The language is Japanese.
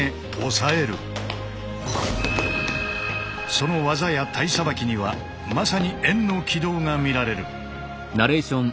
その技や体捌きにはまさに円の軌道が見られる。